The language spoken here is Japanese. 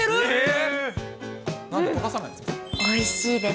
おいしいです。